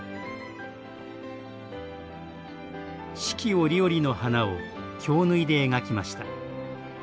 四季折々の花を京繍で描きました。